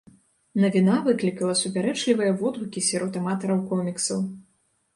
Навіна выклікала супярэчлівыя водгукі сярод аматараў коміксаў.